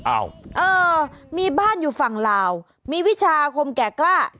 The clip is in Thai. เออมีบ้านอยู่ฝั่งลาวมีวิชาคมแก่กล้า